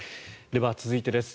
では続いてです。